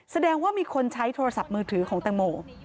แสดงว่ามีคนใช้โทรศัพท์มือถือของแตงโม